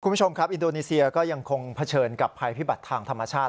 คุณผู้ชมครับอินโดนีเซียก็ยังคงเผชิญกับภัยพิบัติทางธรรมชาติ